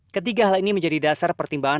ketiga hal ini menjadi dasar pertimbangan